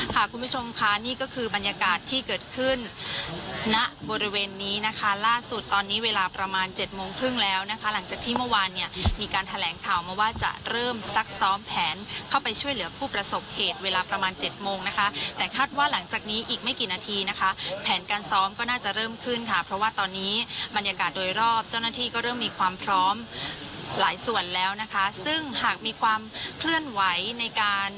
ค่ะคุณผู้ชมค่ะนี่ก็คือบรรยากาศที่เกิดขึ้นณบริเวณนี้นะคะล่าสุดตอนนี้เวลาประมาณเจ็ดโมงครึ่งแล้วนะคะหลังจากที่เมื่อวานเนี้ยมีการแถลงข่าวมาว่าจะเริ่มซักซ้อมแผนเข้าไปช่วยเหลือผู้ประสบเหตุเวลาประมาณเจ็ดโมงนะคะแต่คาดว่าหลังจากนี้อีกไม่กี่นาทีนะคะแผนการซ้อมก็น่าจะเริ่มขึ้นค่